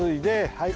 はい。